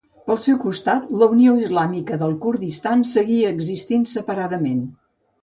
Pel seu costat la Unió Islàmica del Kurdistan seguia existint separadament.